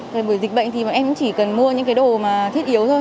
về mùa dịch bệnh thì em cũng chỉ cần mua những cái đồ mà thiết yếu thôi